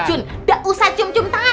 eh jun gak usah cum cum tangan